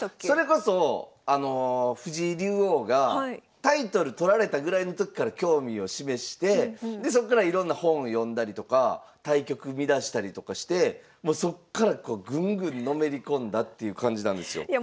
それこそ藤井竜王がタイトル取られたぐらいの時から興味を示してでそっからいろんな本読んだりとか対局見だしたりとかしてもうそっからぐんぐんのめり込んだっていう感じなんですよ。